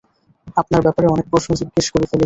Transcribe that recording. আপনার ব্যাপারে অনেক প্রশ্ন জিজ্ঞেস করে ফেলেছি।